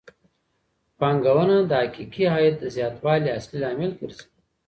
پانګونه د حقيقي عايد د زياتوالي اصلي لامل ګرځي.